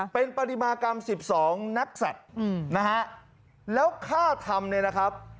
เป็นปฏิมากรรม๑๒นักศัตริย์นะฮะแล้วค่าทำเนี่ยนะครับ